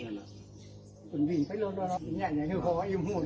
นี่ส่วนกลับมาอีกแล้วมันมีซึ้ด